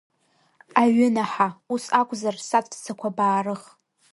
Аҩынаҳа, ус акәзар саҵәцақәа баарых!